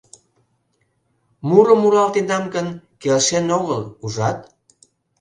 Мурым муралтенам гын, келшен огыл, ужат?